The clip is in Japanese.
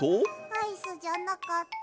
アイスじゃなかった。